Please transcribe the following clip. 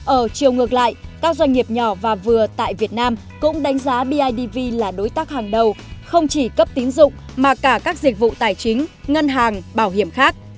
ở chiều ngược lại các doanh nghiệp nhỏ và vừa tại việt nam cũng đánh giá bidv là đối tác hàng đầu không chỉ cấp tín dụng mà cả các dịch vụ tài chính ngân hàng bảo hiểm khác